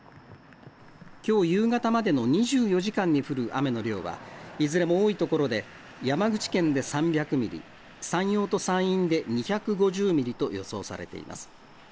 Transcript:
きょう夕方までの２４時間に降る雨の量は、いずれも多い所で山口県で３００ミリ、山陽と山陰で２５０ミリと予想されています。